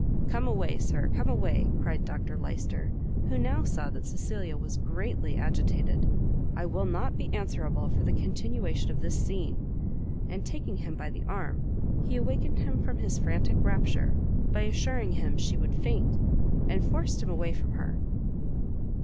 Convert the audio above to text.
"Come away, Sir, come away," cried Dr Lyster, who now saw that Cecilia was greatly agitated, "I will not be answerable for the continuation of this scene;" and taking him by the arm, he awakened him from his frantic rapture, by assuring him she would faint, and forced him away from her.